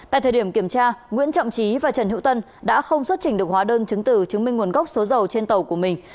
tại thời điểm kiểm tra nguyễn trọng trí và trần hữu tân đã không xuất trình được hóa đơn chứng từ chứng minh nguồn gốc số dầu trên tàu của mình